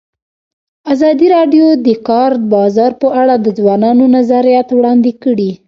ازادي راډیو د د کار بازار په اړه د ځوانانو نظریات وړاندې کړي.